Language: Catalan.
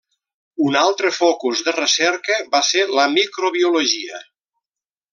Un altre focus de recerca va ser la microbiologia.